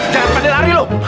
jangan padelari lu